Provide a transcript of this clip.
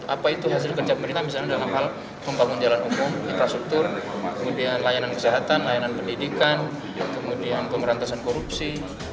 apa itu hasil kerja pemerintah misalnya dalam hal pembangun jalan umum infrastruktur kemudian layanan kesehatan layanan pendidikan kemudian pemberantasan korupsi